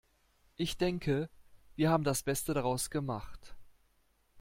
Ich denke, wir haben das Beste daraus gemacht.